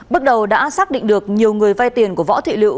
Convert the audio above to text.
bước đầu đã xác định được nhiều người vay tiền của võ thị lự